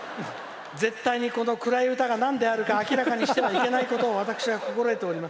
絶対に暗い歌が何であるか明らかにしてはいけないことを知っております。